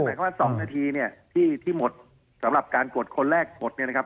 ว่า๒นาทีเนี่ยที่หมดสำหรับการกดคนแรกหมดเนี่ยนะครับ